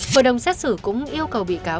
hội đồng xét xử cũng yêu cầu bị cáo